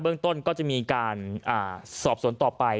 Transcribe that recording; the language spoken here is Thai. เรื่องต้นก็จะมีการสอบสวนต่อไป